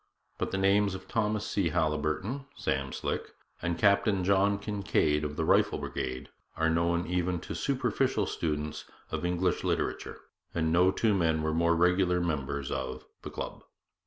But the names of Thomas C. Haliburton (Sam Slick) and Captain John Kincaid of the Rifle Brigade are known even to superficial students of English literature, and no two men were more regular members of 'The Club.'